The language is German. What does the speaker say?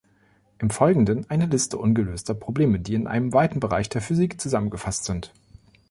Im Folgenden eine Liste ungelöster Probleme, die in einem weiten Bereich der Physik zusammengefasst sind.